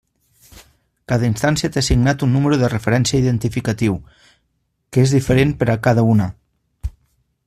Cada instància té assignat un número de referència identificatiu, que és diferent per a cada una.